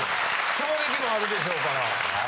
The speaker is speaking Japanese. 衝撃もあるでしょうから。